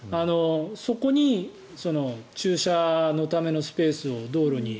そこに駐車のためのスペースを道路に。